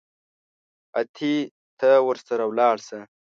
اتې ته ورسره ولاړ سه.